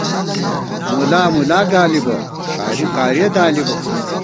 مُلا مُلا گالِبہ ، قاری قارِیہ دالِبہ